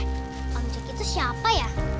eh om jek itu siapa ya